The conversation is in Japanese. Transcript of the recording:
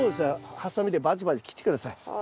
ハサミでバチバチ切って下さい。